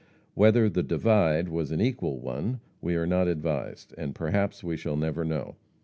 Whether "the divide" was an equal one we are not advised, and perhaps we shall never know.